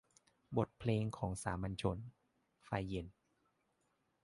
บทเพลงของสามัญชน - ไฟเย็น